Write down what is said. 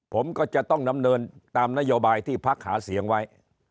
ผมก็จะต้องดำเนินตามนโยบายที่พักหาเสียงไว้